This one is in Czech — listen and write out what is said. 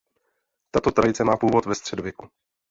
Tato tradice má původ ve středověku.